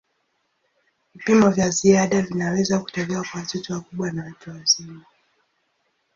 Vipimo vya ziada vinaweza kutolewa kwa watoto wakubwa na watu wazima.